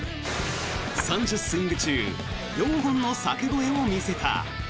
３０スイング中４本の柵越えを見せた。